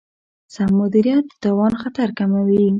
سم مدیریت د تاوان خطر کموي.